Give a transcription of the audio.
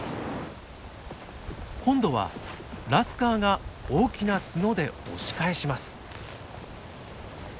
今度はラスカーが大きな角で押し返します。